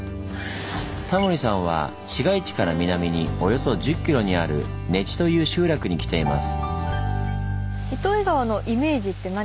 タモリさんは市街地から南におよそ１０ｋｍにある根知という集落に来ています。